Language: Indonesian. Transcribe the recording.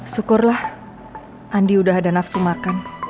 syukurlah andi udah ada nafsu makan